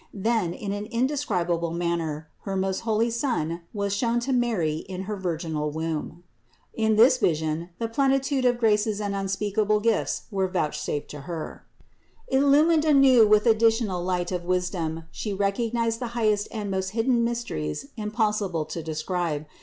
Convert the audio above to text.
Then, in an inde scribable manner, her most holy Son was shown to Mary in her virginal womb. In this vision the plenitude of graces and unspeakable gifts were vouchsafed to Her. 268 THE INCARNATION 269 Illumined anew with additional light of wisdom She recognized the highest and most hidden mysteries im possible to describe.